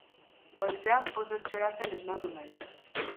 Goizean pozez txoratzen esnatu naiz.